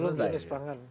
belum jenis pangan